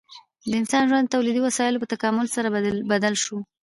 د انسان ژوند د تولیدي وسایلو په تکامل سره بدل شو.